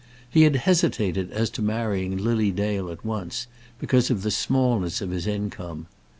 He had hesitated as to marrying Lily Dale at once, because of the smallness of his income.